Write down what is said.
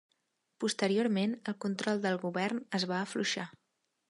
Posteriorment el control del govern es va afluixar.